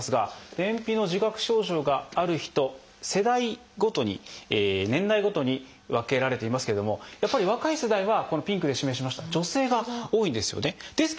便秘の自覚症状がある人世代ごとに年代ごとに分けられていますけれどもやっぱり若い世代はこのピンクで示しました女性が多いんですよね。